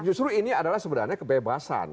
justru ini adalah sebenarnya kebebasan